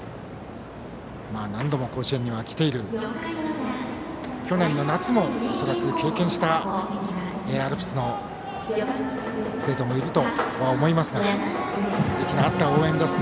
何度も甲子園には来ていて恐らく、去年の夏も経験したアルプスの生徒もいると思いますが息の合った応援です。